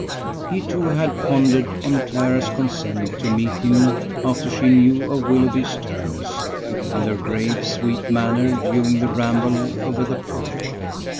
He too had pondered on Clara's consent to meet him after she knew of Willoughby's terms, and her grave sweet manner during the ramble over the park.